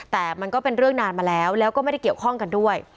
แต่มันก็เป็นเรื่องนานมาแล้วแล้วก็ไม่ได้เกี่ยวข้องกันด้วย